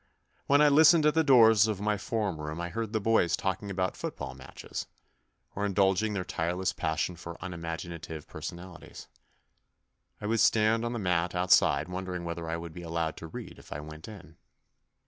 When I listened at the doors of my form room I heard the boys talking about football matches, or indulging their tireless passion for unimaginative personalities ; I would stand on the mat outside wondering whether I would be allowed to read if I went in.